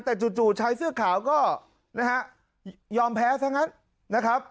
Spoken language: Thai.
แต่จู่ชายเสื้อขาวก็นะฮะยอมแพ้ซะงั้นนะครับ